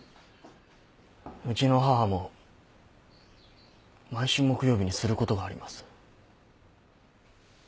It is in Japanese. うちの母も毎週木曜日にすることがあります。